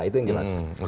itu yang jelas